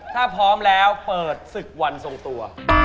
ถ้าพร้อมแล้วเปิดศึกวันทรงตัว